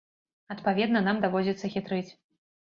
Адпаведна, нам даводзіцца хітрыць.